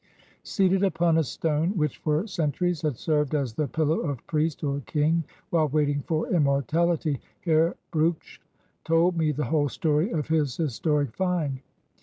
Seated upon a stone which for centuries had served as the pillow of priest or king while waiting for immor tahty, Herr Brugsch told me the whole story of his historic "find."